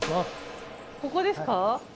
ここですか？